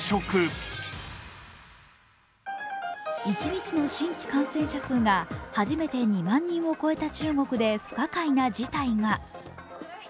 一日の新規感染者数が初めて２万人を超えた中国で不可解な事態が。